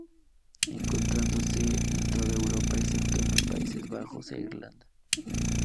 Encontrándose en toda Europa excepto en los Países Bajos e Irlanda.